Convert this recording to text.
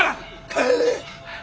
帰れ！